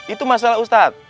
itu masalah ustadz